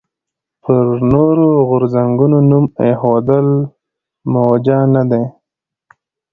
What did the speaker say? پر نورو غورځنګونو نوم ایښودل موجه نه دي.